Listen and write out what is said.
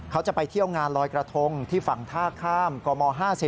เขาจะไปเที่ยวงานลอยกระทงที่ฝั่งท่าข้ามกม๕๐